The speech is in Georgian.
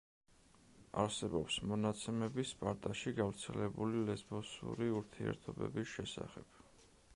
არსებობს მონაცემები სპარტაში გავრცელებული ლესბოსური ურთიერთობების შესახებ.